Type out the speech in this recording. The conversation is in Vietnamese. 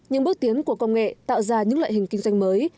những bước tiến của công nghệ tạo ra những loại hình kinh doanh mới